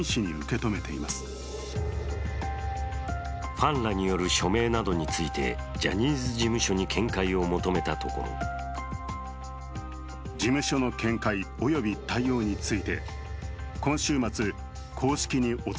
ファンらによる署名などについてジャニーズ事務所に見解を求めたところ今のところ回答は寄せられていない。